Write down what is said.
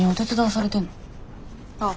ああ。